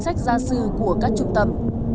mã gia sư này chỉ là tám trăm bảy mươi chín